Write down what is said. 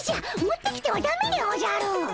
持ってきてはダメでおじゃる！